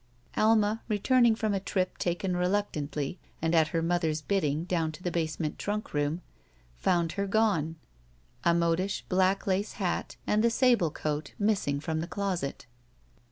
Alma, returning from a trip taken reluc tantly and at her mother's bidding down to the base ment trunk room, found her gone, a modish black lace hat and the sable coat missing from the closet.